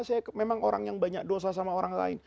saya memang orang yang banyak dosa sama orang lain